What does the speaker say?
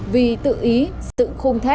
vì tự ý sự khung thép